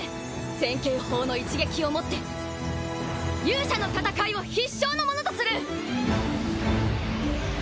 千景砲の一撃をもって勇者の戦いを必勝のものとする！